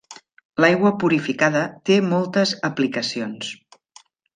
L'aigua purificada té moltes aplicacions.